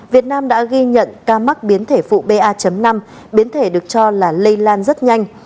việt nam đã ghi nhận ca mắc biến thể phụ ba năm biến thể được cho là lây lan rất nhanh